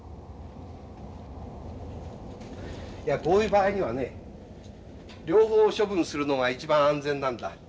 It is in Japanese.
こういう場合にはね両方処分するのが一番安全なんだ。